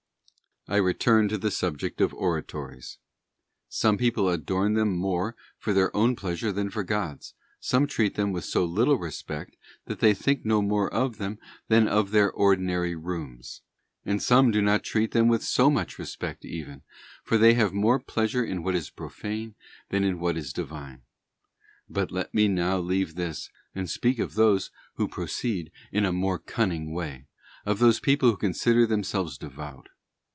, I return to the subject of Oratories. Some people adorn them more for their own pleasure than for God's; some treat them with so little respect, that they think no more of them than of their ordinary rooms; and some do not treat them with so much respect even, for they have more pleasure in what is profane than in what is Divine. But let me now leave this, and speak of those who proceed in a more cunning way—of those people who consider themselves devout.